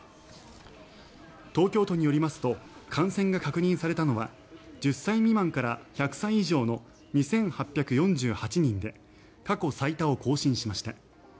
東京都によりますと感染が確認されたのは１０歳未満から１００歳以上の２８４８人で過去最多を更新しました。